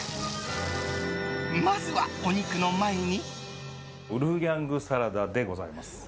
まずは、お肉の前に。